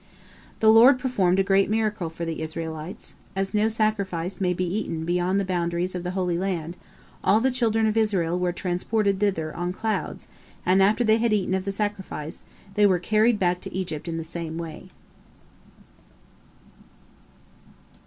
The Lord performed a great miracle for the Israelites. As no sacrifice may be eaten beyond the borders of the Holy Land, all the children of Israel were transported thither on clouds, and after they had eaten of the sacrifice, they were carried back to Egypt in the same way.